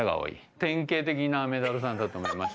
典型的な雨ダルさんだと思います。